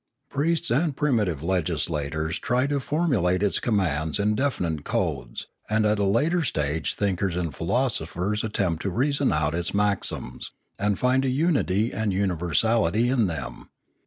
Priests and primitive legislators try to formulate its commands in definite codes, and at a later stage thinkers and philosophers attempt to rea son out its maxims, and find a unity and universality in them.